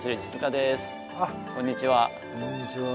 こんにちは。